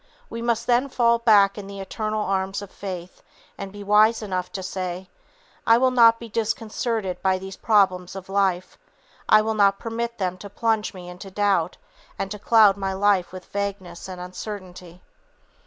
We must then fall back in the eternal arms of faith, and be wise enough to say, "I will not be disconcerted by these problems of life, I will not permit them to plunge me into doubt, and to cloud my life with vagueness and uncertainty.